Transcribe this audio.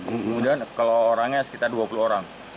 kemudian kalau orangnya sekitar dua puluh orang